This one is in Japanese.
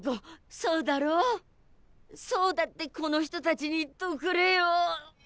そうだってこの人たちに言っとくれよ！